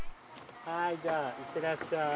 はいじゃあ行ってらっしゃい。